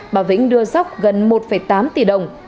bà vĩnh đưa sóc gần một tám tỷ đồng